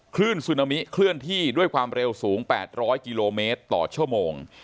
คลื่นซึนามิเคลื่อนที่ด้วยความเร็วสูง๘๐๐กิโลเมตรต่อชั่วโมง